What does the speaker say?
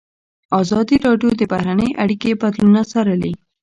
ازادي راډیو د بهرنۍ اړیکې بدلونونه څارلي.